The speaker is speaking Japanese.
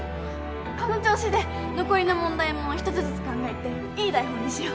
この調子で残りの問題も一つずつ考えていい台本にしよう。